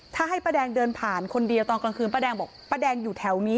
ถ้าให้ป้าแดงเดินผ่านคนเดียวตอนกลางคืนป้าแดงบอกป้าแดงอยู่แถวนี้